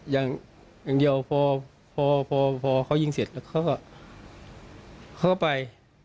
อย่างเดียวพอพอเขายิงเสร็จแล้วเขาก็ไป